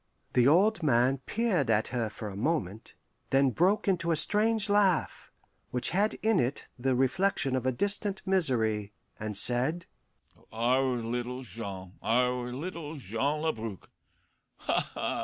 The old man peered at her for a moment, then broke into a strange laugh, which had in it the reflection of a distant misery, and said, "Our little Jean, our little Jean Labrouk! Ha! ha!